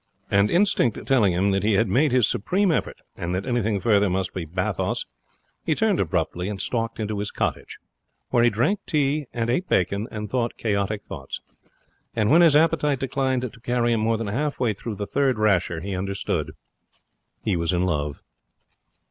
And instinct telling him that he had made his supreme effort, and that anything further must be bathos, he turned abruptly and stalked into his cottage, where he drank tea and ate bacon and thought chaotic thoughts. And when his appetite declined to carry him more than half way through the third rasher, he understood. He was in love.